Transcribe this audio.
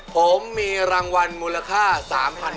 ผมมีรางวัลมูลค่า๓๐๐๐บาท